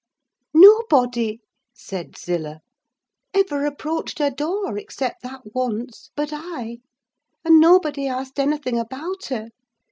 "Nobody," said Zillah, "ever approached her door, except that once, but I; and nobody asked anything about her.